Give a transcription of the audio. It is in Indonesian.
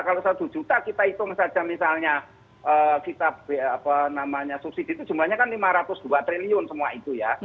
kalau satu juta kita hitung saja misalnya kita subsidi itu jumlahnya kan lima ratus dua triliun semua itu ya